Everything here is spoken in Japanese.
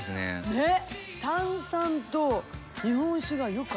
ねっ。